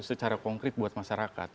secara konkret buat masyarakat